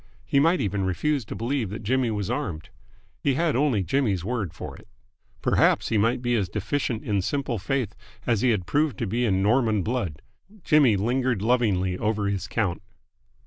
He might even refuse to believe that Jimmy was armed. He had only Jimmy's word for it. Perhaps he might be as deficient in simple faith as he had proved to be in Norman blood! Jimmy lingered lovingly over his count.